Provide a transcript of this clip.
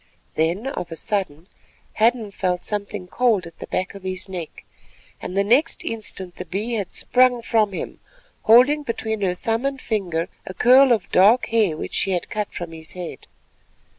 Then of a sudden Hadden felt something cold at the back of his neck, and the next instant the Bee had sprung from him, holding between her thumb and finger a curl of dark hair which she had cut from his head.